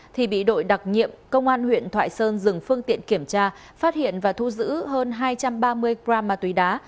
thì bị đội đặc nhiệm công an huyện thoại sơn dừng phương tiện kiểm tra phát hiện và thu giữ hơn hai trăm ba mươi gram ma túy đá